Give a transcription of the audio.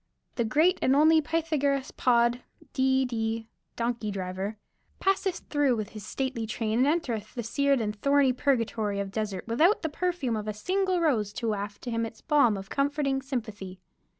The great and only Pythagoras Pod, D. D. (donkey driver), passeth through with his stately train and entereth the seared and thorny purgatory of the desert without the perfume of a single rose to waft to him its balm of comforting sympathy."